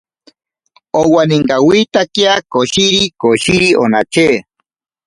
Owaninkawitakia koshiri koshiri onatye.